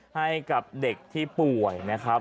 ให้กับเด็กที่ป่วยนะครับ